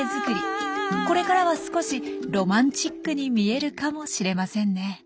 これからは少しロマンチックに見えるかもしれませんね。